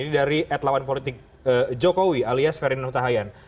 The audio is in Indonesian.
ini dari at lawan politik jokowi alias ferdinand huta hayan